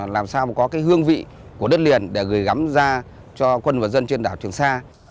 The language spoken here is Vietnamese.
làm sao có cái hương vị của đất liền để gửi gắm ra cho quân và dân trên đảo trường sa